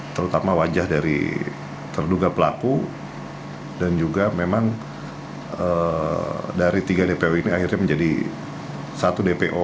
terutama wajah dari terduga pelaku dan juga memang dari tiga dpo ini akhirnya menjadi satu dpo